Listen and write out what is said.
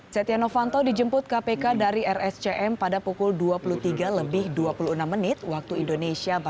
setia novanto dijemput kpk dari rscm pada pukul dua puluh tiga lebih dua puluh enam menit waktu indonesia barat